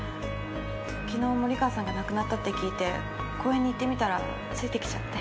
昨日森川さんが亡くなったって聞いて公園に行ってみたらついてきちゃって。